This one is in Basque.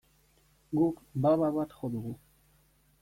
Guk baba bat jo dugu.